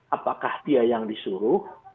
apakah dia yang disuruh